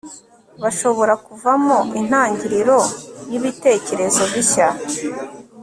bashobora kuvamo intangiriro y'ibitekerezo bishya